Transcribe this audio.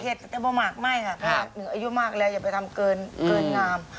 พี่น่านี่ก็เห็นเต็มโบไหม้ค่ะหนึ่งอายุมากแล้วอย่าไปทำเกินนาม